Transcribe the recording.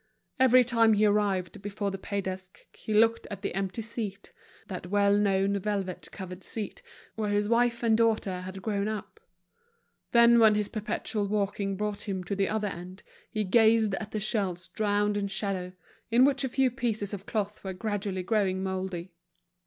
Every time he arrived before the pay desk, he looked at the empty seat, that well known velvet covered seat, where his wife and daughter had grown up. Then when his perpetual walking brought him to the other end, he gazed at the shelves drowned in shadow, in which a few pieces of cloth were gradually growing moldy.